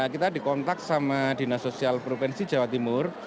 kita dikontak sama dinas sosial provinsi jawa timur